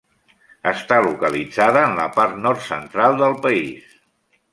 Està localitzada en la part nord-central del país.